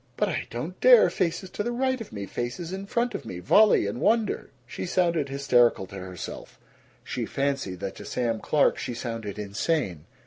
"B but I don't dare! Faces to the right of me, faces in front of me, volley and wonder!" She sounded hysterical to herself; she fancied that to Sam Clark she sounded insane.